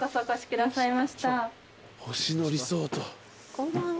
こんばんは。